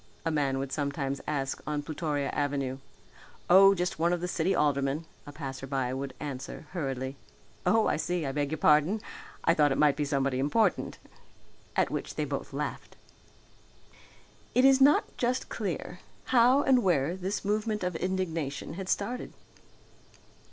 a man would sometimes ask on Plutoria Avenue. "Oh just one of the city aldermen," a passerby would answer hurriedly. "Oh I see, I beg your pardon, I thought it might be somebody important." At which both laughed. It was not just clear how and where this movement of indignation had started.